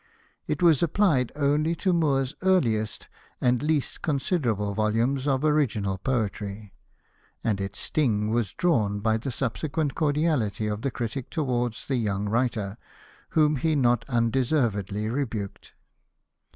It was applied only to Moore's earliest and least considerable volumes of original poetry, and its sting was drawn by the subsequent cordiality of the critic towards the young writer whom he not undeservedly rebuked.